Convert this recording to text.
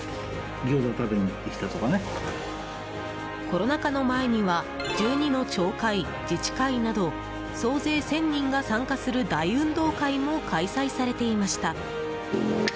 コロナ禍の前には１２の町会・自治会など総勢１０００人が参加する大運動会も開催されていました。